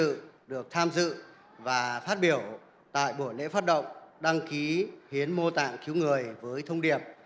tôi rất vinh dự được tham dự và phát biểu tại buổi lễ phát động đăng ký hiến mô tạng cứu người với thông điệp